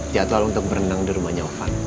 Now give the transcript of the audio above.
jadwal untuk berenang di rumahnya ovan